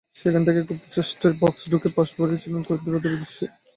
সেখান থেকে একক প্রচেষ্টায় বক্সে ঢুকে পাস বাড়িয়েছিলেন কুয়াদ্রাদোর উদ্দেশে।